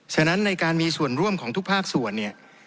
ฉะนั้นในการมีส่วนร่วมของทุกภาคส่วนเนี่ย